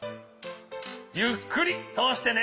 ゆっくりとおしてね。